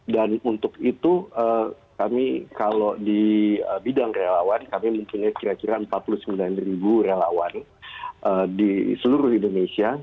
dan untuk itu kami kalau di bidang relawan kami mempunyai kira kira empat puluh sembilan relawan di seluruh indonesia